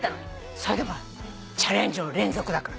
それでもほらチャレンジの連続だから。